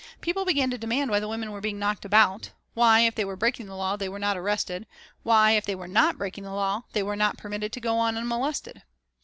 People began to demand why the women were being knocked about; why, if they were breaking the law, they were not arrested; why, if they were not breaking the law, they were not permitted to go on unmolested.